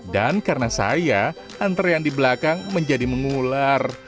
dan karena saya antre yang di belakang menjadi mengular